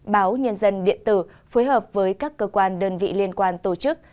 báo nhân dân điện tử phối hợp với các cơ quan đơn vị liên quan tổ chức